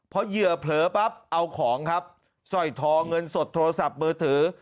เพราะเหยื่อเผลอปั๊บเอาของครับสร้อยทองเงินสดโทรศัพท์มือถือ